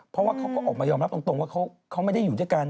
เพราะว่าเขาก็ออกมายอมรับตรงว่าเขาไม่ได้อยู่ด้วยกัน